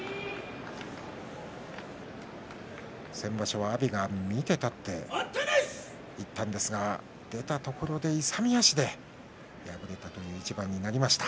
先場所は阿炎が見て立っていったんですが出たところで勇み足で敗れたという一番になりました。